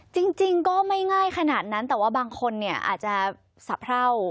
จริงก็ไม่ง่ายขนาดนั้นแต่ว่าบางคนเนี่ยอาจจะสะเพรา